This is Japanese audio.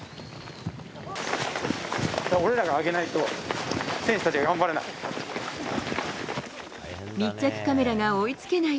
俺らが上げないと、選手たちが頑張れない。